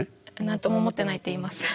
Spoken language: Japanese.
何とも思ってないって言います。